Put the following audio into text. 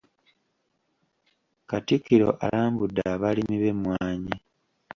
Katikkiro alambudde abalimi b’emmwanyi.